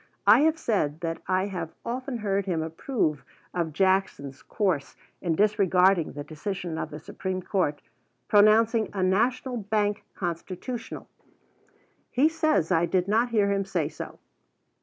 I have said that I have often heard him approve of Jackson's course in disregarding the decision of the Supreme Court pronouncing a national bank constitutional. He says I did not hear him say so.